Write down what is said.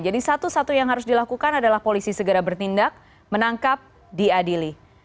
jadi satu satu yang harus dilakukan adalah polisi segera bertindak menangkap diadili